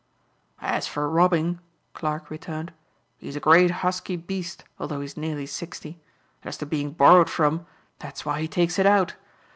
"As for robbing," Clarke returned, "he's a great husky beast although he's nearly sixty. And as to being borrowed from, that's why he takes it out.